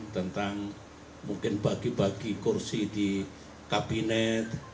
tentang mungkin bagi bagi kursi di kabinet